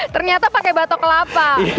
ternyata pakai batok kelapa